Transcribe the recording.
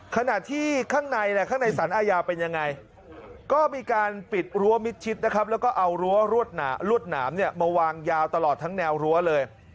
ขณะที่ข้างในข้างในสารอาญาเป็นยังไงก็มีการปิดรั้วมิดชิดนะครับแล้วก็เอารั้วรวดหนามมาวางยาวตลอดทั้งแนวรั้วเลย